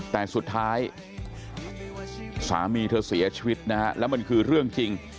แต่สุดท้ายสามีเธอเสียชีวิตนะฮะแล้วมันคือเรื่องจริง